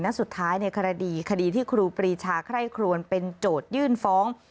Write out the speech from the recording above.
และสุดท้ายในคดีคดีที่ครูปรีชาไคร่ครวนเป็นโจทยื่นฟ้อง